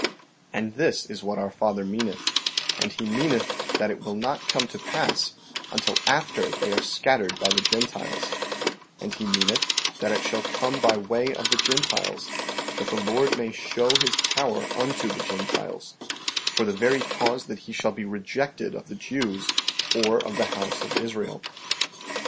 15:17 And this is what our father meaneth; and he meaneth that it will not come to pass until after they are scattered by the Gentiles; and he meaneth that it shall come by way of the Gentiles, that the Lord may show his power unto the Gentiles, for the very cause that he shall be rejected of the Jews, or of the house of Israel.